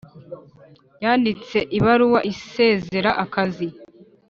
Yanditse ibaruwa isezera akazi